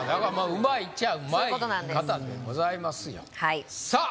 うまいっちゃうまい方でございますよさあ